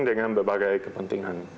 dengan berbagai kepentingan